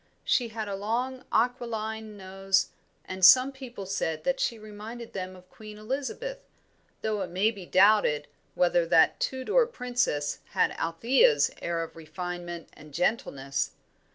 She had a long, aquiline nose, and some people said that she reminded them of Queen Elizabeth, though it may be doubted whether that Tudor princess had Althea's air of refinement and gentleness.